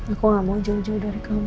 aku gak mau jauh jauh dari kamu